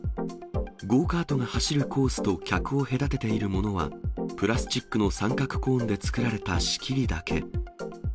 ゴーカートが走るコースと客を隔てているものは、プラスチックの三角コーンで作られた仕切りだけ。